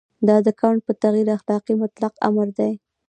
دا د کانټ په تعبیر اخلاقي مطلق امر دی.